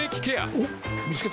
おっ見つけた。